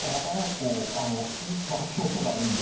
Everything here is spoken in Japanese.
こうあの次また香車があるんで。